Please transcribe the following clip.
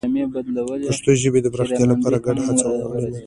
د پښتو ژبې د پراختیا لپاره ګډه هڅه اړینه ده.